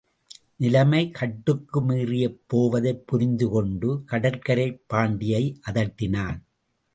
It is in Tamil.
நிலைமை கட்டுக்கு மீறிப் போவதை புரிந்து கொண்டு, கடற்கரைப் பாண்டியை அதட்டினான்.